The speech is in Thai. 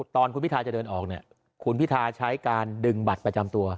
ตอนคุณพิทาจะเดินออกเนี่ยคุณพิทาใช้การดึงบัตรประจำตัว